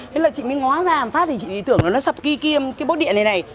thế là chị mới ngó ra phát thì chị tưởng là nó sập kia cái bốt điện này này